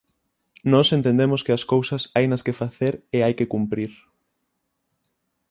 Nós entendemos que as cousas hainas que facer e hai que cumprir.